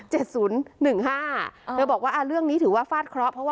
เธอบอกว่าเรื่องนี้ถือว่าฟาดเคราะห์